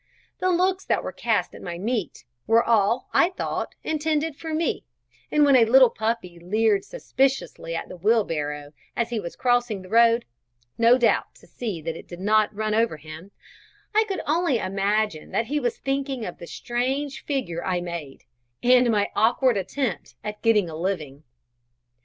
The looks that were cast at my meat, were all, I thought, intended for me, and when a little puppy leered suspiciously at the barrow as he was crossing the road, no doubt to see that it did not run over him, I could only imagine that he was thinking of the strange figure I made, and my awkward attempt at getting a living.